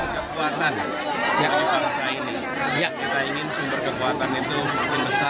semakin besar dan kuat memberikan kesejahteraan seluruh warga desa